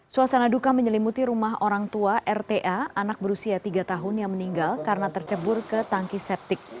suasana duka menyelimuti rumah orang tua rta anak berusia tiga tahun yang meninggal karena tercebur ke tangki septik